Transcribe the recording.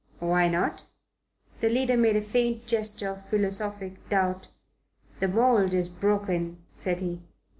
"Why not?" The Leader made a faint gesture of philosophic doubt. "The mould is broken," said he.